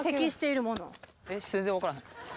全然分からへん。